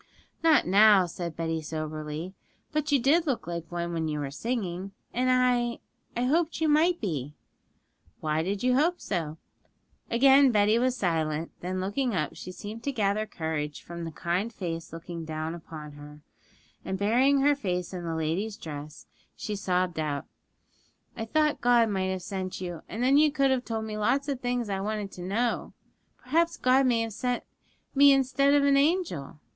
'Not now,' said Betty soberly; 'but you did look like one when you were singing, and I I hoped you might be.' 'Why did you hope so?' Again Betty was silent; then, looking up, she seemed to gather courage from the kind face looking down upon her, and burying her face in the lady's dress, she sobbed out, 'I thought God might have sent you; and then you could have told me lots of things I wanted to know.' 'Perhaps God may have sent me instead of an angel.